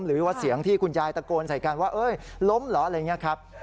หรือว่าเสียงที่คุณยายตะโกนใส่กันว่าล้มเหรออะไรอย่างนี้ครับ